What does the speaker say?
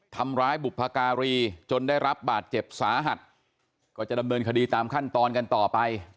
ทำร้ายบุพการีจนได้รับบาดเจ็บสาหัสก็จะดำเนินคดีตามขั้นตอนกันต่อไป